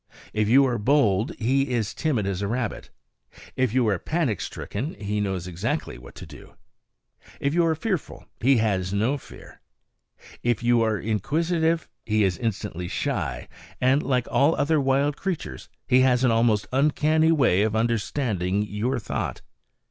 If you are bold, he is timid as a rabbit; if you are panic stricken, he knows exactly what to do; if you are fearful, he has no fear; if you are inquisitive, he is instantly shy; and, like all other wild creatures, he has an almost uncanny way of understanding your thought.